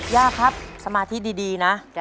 ย่าครับสมาธิดีนะ